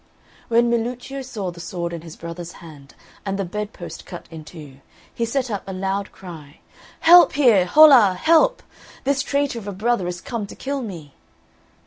When Milluccio saw the sword in his brother's hand, and the bedpost cut in two, he set up a loud cry, "Help here! hola! help! This traitor of a brother is come to kill me!"